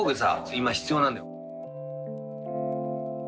今必要なんだよ。